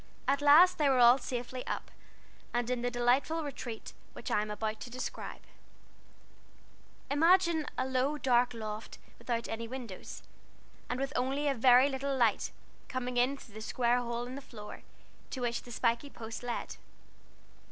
At last they were all safely up, and in the delightful retreat which I am about to describe: Imagine a low, dark loft without any windows, and with only a very little light coming in through the square hole in the floor, to which the spikey post led.